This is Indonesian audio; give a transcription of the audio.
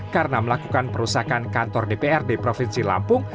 karena melakukan perusahaan kantor dprd provinsi lampung